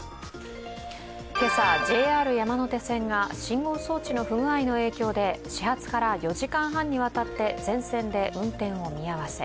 今朝、ＪＲ山手線が信号装置の不具合の影響で始発から４時間半にわたって全線で運転を見合わせ。